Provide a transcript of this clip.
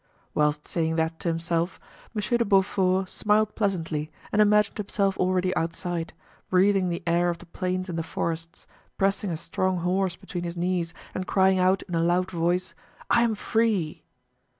Whilst saying that to himself, Monsieur de Beaufort smiled pleasantly and imagined himself already outside, breathing the air of the plains and the forests, pressing a strong horse between his knees and crying out in a loud voice, "I am free!"